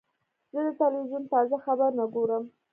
زه د تلویزیون تازه خبرونه ګورم.